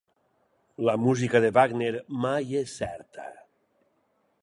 La música de Wagner mai és certa.